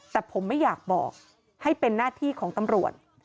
แต่ผมไม่อยากบอกให้เป็นหน้าที่ของตำรวจ